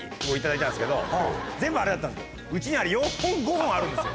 全部あれだったんですようちに４本５本あるんですよ。